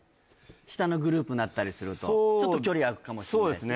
下のグループになったりするとちょっと距離あくかもしれないですね